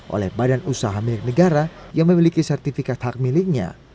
oleh badan usaha milik negara yang memiliki sertifikat hak miliknya